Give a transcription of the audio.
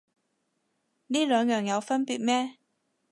呢兩樣有分別咩